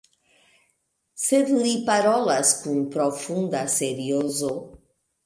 Sed li parolas kun profunda seriozo.